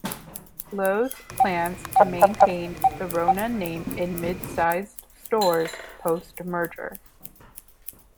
Lowe's plans to maintain the Rona name in mid-sized stores post-merger.